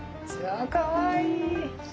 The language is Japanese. かわいい！